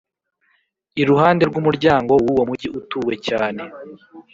iruhande rw’umuryango w’uwo mugi utuwe cyane.